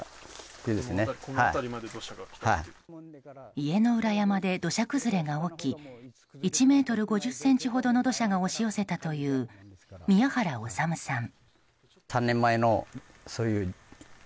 家の裏山で土砂崩れが起き１ｍ５０ｃｍほどの土砂が押し寄せたという宮原修さん。